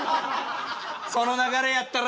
その流れやったら。